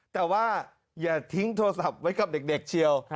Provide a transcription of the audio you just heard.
แต่ว่าอย่าทิ้งโทรศัพท์ไว้กับเด็กเชียว